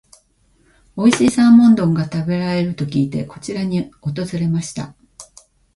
おいしいサーモン丼が食べれると聞いて、こちらに訪れました。